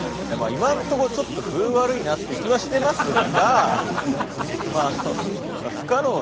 今んとこちょっと分悪いなっていう気はしてますが。